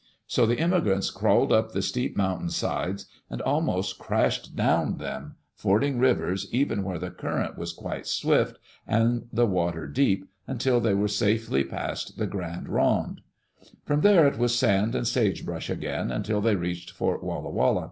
So the immigrants crawled up the steep mountain sides and almost crashed down them, ford ing rivers even where the current was quite swift and the water deep, until they were safely past the Grande Ronde. From there it was sand and sagebrush again until they reached Fort Walla Walla.